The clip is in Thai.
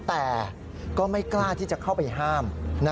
แต่ก็ไม่กล้าที่จะเข้าไปห้าม